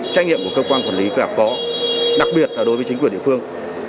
trách nhiệm của cơ quan quản lý phải có đặc biệt là đối với chính quyền địa phương